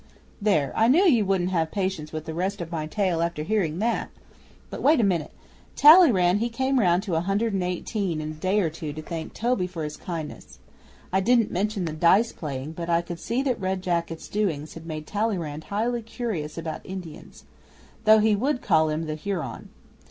'There, I knew you wouldn't have patience with the rest of my tale after hearing that! But wait a minute. Talleyrand he come round to Hundred and Eighteen in a day or two to thank Toby for his kindness. I didn't mention the dice playing, but I could see that Red Jacket's doings had made Talleyrand highly curious about Indians though he would call him the Huron.